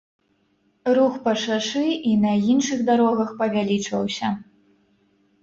Рух па шашы і на іншых дарогах павялічваўся.